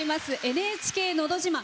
「ＮＨＫのど自慢」。